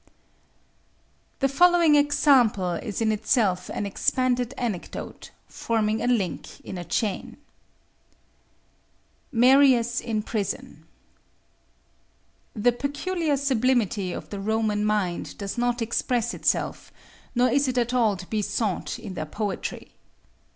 The following example is in itself an expanded anecdote, forming a link in a chain: MARIUS IN PRISON The peculiar sublimity of the Roman mind does not express itself, nor is it at all to be sought, in their poetry.